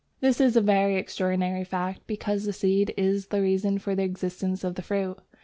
This is a very extraordinary fact, because the seed is the reason for the existence of the fruit.